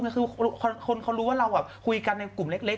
ก็เหมือนถึงในคนเขารู้ว่าเราคุยกันในกลุ่มเล็ก